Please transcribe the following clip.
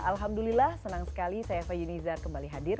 alhamdulillah senang sekali saya eva yunizar kembali hadir